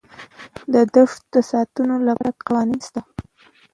د دښتو د ساتنې لپاره قوانین شته.